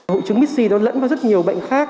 hội chứng mysse nó lẫn vào rất nhiều bệnh khác